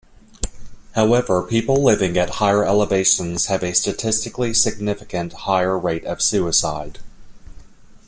However, people living at higher elevations have a statistically significant higher rate of suicide.